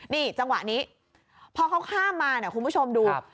นี่จังหวะนี้พอเขาข้ามมาเนี่ยคุณผู้ชมดู